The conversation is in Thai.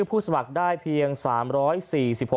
ผู้สมัครได้เพียงสามร้อยสี่